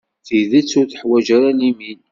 Tidet ur teḥwaǧ ara limin.